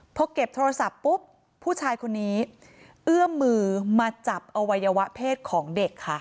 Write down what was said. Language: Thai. พอเก็บโทรศัพท์ปุ๊บผู้ชายคนนี้เอื้อมมือมาจับอวัยวะเพศของเด็กค่ะ